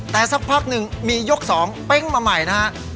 แต่สักพักหนึ่งมียก๒เป้งมาใหม่นะฮะ